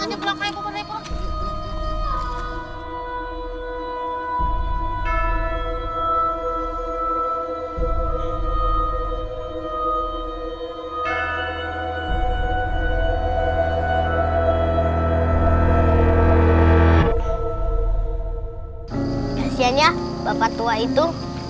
kasian ya bapak tua itu